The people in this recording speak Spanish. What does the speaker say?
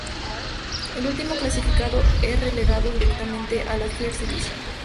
El último clasificado es relegado directamente a la First Division.